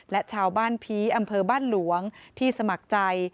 และชาวบ้านผีอำเภอบ้านหลวงที่สมัครใจ